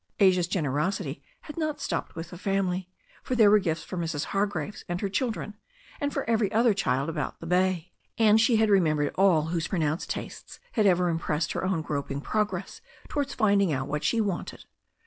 Asia's generosity had not stopped with the family, for there were gifts for Mrs. Hargraves and her children, and for every other child about the bay. And she had re membered all whose pronounced tastes had ever impressed her own g^roping progress towards finding out what she wanted.